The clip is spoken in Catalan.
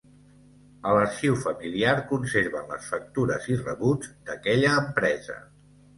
A l'arxiu familiar conserven les factures i rebuts d'aquella empresa.